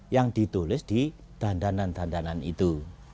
yang ditulis di dandanan dandanan itu